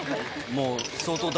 もう。